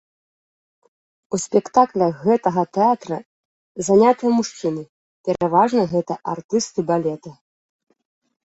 У спектаклях гэтага тэатра занятыя мужчыны, пераважна гэта артысты балета.